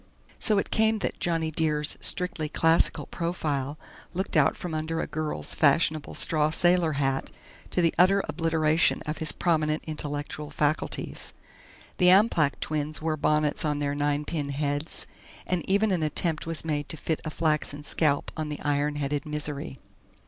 So it came that "Johnny Dear's" strictly classical profile looked out from under a girl's fashionable straw sailor hat, to the utter obliteration of his prominent intellectual faculties; the Amplach twins wore bonnets on their ninepins heads, and even an attempt was made to fit a flaxen scalp on the iron headed Misery.